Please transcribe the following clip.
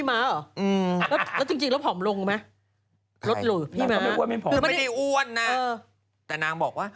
หนูเจอหนูเจออย่างน้อย